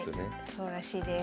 そうらしいです。